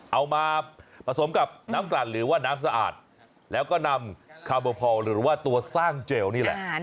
เอามาผสมกับน้ำกลั่นหรือว่าน้ำสะอาดแล้วก็นำคาร์โบพอลหรือว่าตัวสร้างเจลนี่แหละ